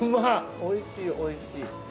◆おいしい、おいしい。